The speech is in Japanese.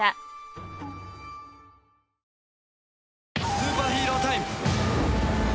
スーパーヒーロータイム。